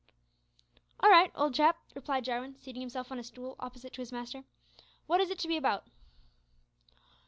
"All right, old chap," replied Jarwin, seating himself on a stool opposite to his master. "Wot is it to be about?"